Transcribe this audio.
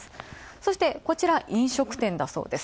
そして、こちら飲食店だそうです。